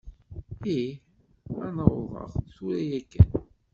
Ih, ad n-awḍeɣ tura yakan.